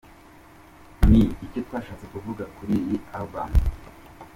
Ni icyo twashatse kuvuga kuri iyi album.